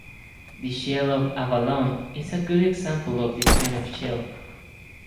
The shell of the abalone is a good example of this kind of shell.